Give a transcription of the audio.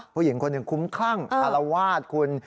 ผู้หญิงคนหนึ่งคุ้มคลั่งอารวาสคุณ